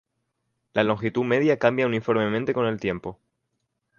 La longitud media cambia uniformemente con el tiempo.